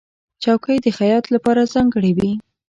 چوکۍ د خیاط لپاره ځانګړې وي.